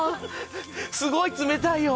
すごい冷たいよ。